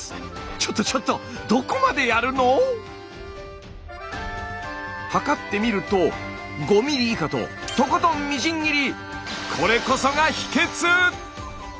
ちょっとちょっとどこまでやるの⁉測ってみると５ｍｍ以下ととことんみじん切り！